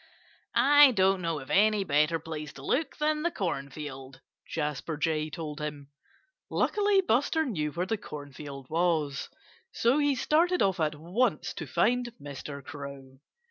"I don't know of any better place to look than the cornfield," Jasper Jay told him. Luckily Buster knew where the cornfield was. So he started off at once to find Mr. Crow.